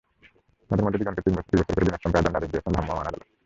তাঁদের মধ্যে দুজনকে দুই বছর করে বিনাশ্রম কারাদণ্ডের আদেশ দিয়েছেন ভ্রাম্যমাণ আদালত।